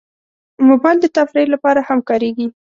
موبایل د تفریح لپاره هم کارېږي.